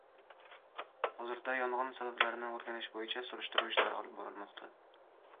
Hozirda yong‘in sabablarini o‘rganish bo'yicha surishtiruv ishlari olib borilmoqda